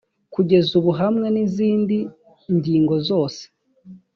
kugeza ubu hamwe n izindi ngingo zose